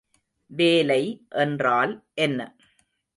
வேலை என்றால் என்ன?